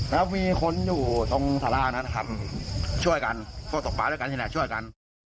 แล้วมีคนอยู่ตรงศร้าอะนะช่วยกันพวกตกปลาด้วยกันที่นั้นช่วยกัน